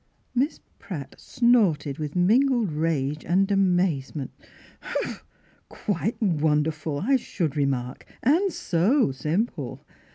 Miss Pratt snorted with mingled rage and amazement. " Quite wonderful, I should remark — and so simple.